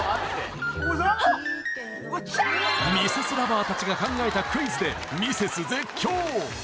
ミセス ＬＯＶＥＲ たちが考えたクイズでミセス絶叫！